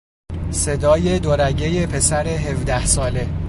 صدای دو رگهی پسر هفده ساله